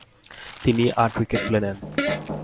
তিনি আট উইকেট তুলে নেন।